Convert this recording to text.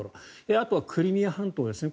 あとはクリミア半島ですね。